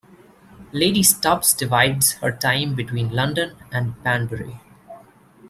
Lady Stubbs divides her time between London and Banbury.